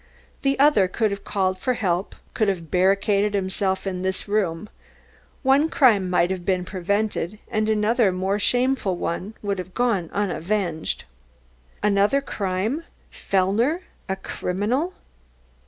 The other could have called for help, could have barricaded himself in his room, one crime might have been prevented, and another, more shameful one, would have gone unavenged." "Another crime? Fellner a criminal?"